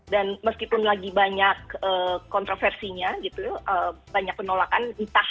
dan meskipun lagi banyak kontroversinya banyak penolakan